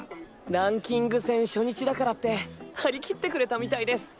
ランキング戦初日だからって張り切ってくれたみたいです。